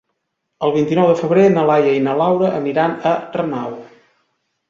El vint-i-nou de febrer na Laia i na Laura aniran a Renau.